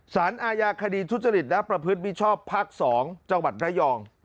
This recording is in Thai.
ศาลอาญาคดีทุจริตและประพฤติวิชาปภักดิ์๒จังหวัดนายอง